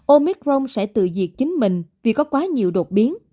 omicron sẽ tự diệt chính mình vì có quá nhiều đột biến